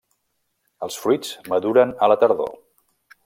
Els fruits maduren a la tardor.